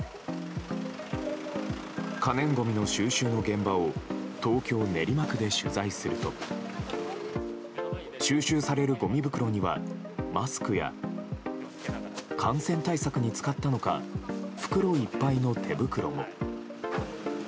可燃ごみの収集の現場を東京・練馬区で取材すると収集されるごみ袋にはマスクや感染対策に使ったのか袋いっぱいの手袋も。